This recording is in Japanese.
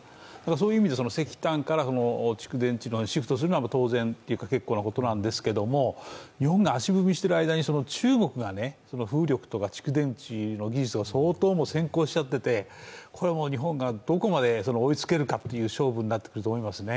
そういう意味で石炭から蓄電池へシフトするのは当然というか、結構なことなんですけど、日本が足踏みしている間に中国が風力とか蓄電池の技術が相当先行してしまっていて、日本がどこまで追いつけるかという勝負になってると思います。